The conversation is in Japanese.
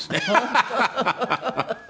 ハハハハ！